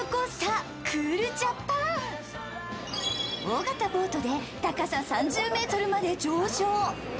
大型ボートで高さ３０ｍまで上昇。